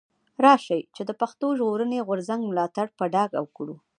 راشئ چي د پښتون ژغورني غورځنګ ملاتړ په ډاګه وکړو.